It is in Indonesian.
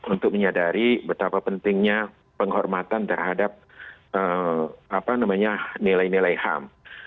untuk menyadari betapa pentingnya penghormatan terhadap nilai nilai ham